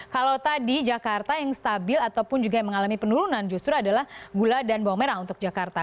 kalau tadi jakarta yang stabil ataupun juga yang mengalami penurunan justru adalah gula dan bawang merah untuk jakarta